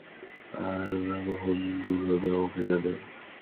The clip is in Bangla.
তারা কখন দূর হবে আমাকে জানিও।